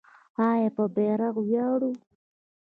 آیا په بیرغ ویاړو؟